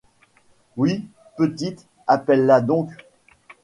Oui, petite, appelle-la donc.